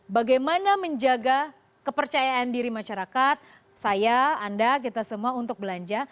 bagaimana menjaga kepercayaan diri masyarakat saya anda kita semua untuk belanja